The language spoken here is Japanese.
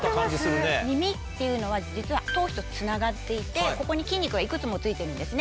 耳っていうのは実は頭皮とつながっていてここに筋肉がいくつもついてるんですね。